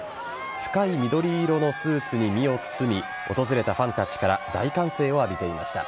深い緑色のスーツに身を包み訪れたファンたちから大歓声を浴びていました。